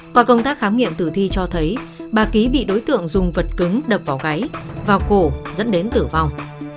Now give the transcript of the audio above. qua công tác khám nghiệm tử thi cho thấy bà ký bị đối tượng dùng vật cứng đập vào gáy vào cổ dẫn đến tử vong